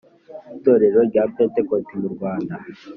Itorero rya pentekote mu Rwanda